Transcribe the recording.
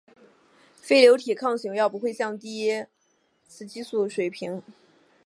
非甾体抗雄药不会降低雌激素水平。